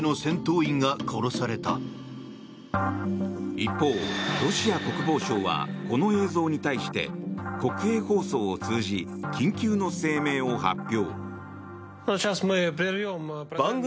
一方、ロシア国防省はこの映像に対して国営放送を通じ緊急の声明を発表。